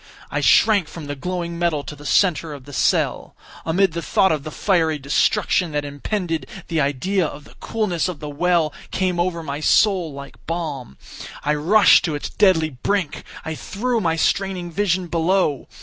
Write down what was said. I shrank from the glowing metal to the centre of the cell. Amid the thought of the fiery destruction that impended, the idea of the coolness of the well came over my soul like balm. I rushed to its deadly brink. I threw my straining vision below.